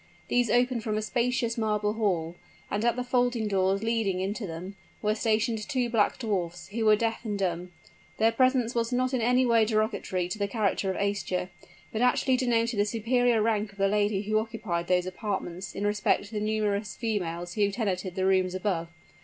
These opened from a spacious marble hall; and at the folding doors leading into them, were stationed two black dwarfs, who were deaf and dumb. Their presence was not in any way derogatory to the character of Aischa, but actually denoted the superior rank of the lady who occupied those apartments in respect to the numerous females who tenanted the rooms above.